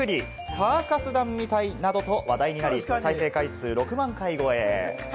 サーカス団みたいなどと話題になり、再生回数６万回超え。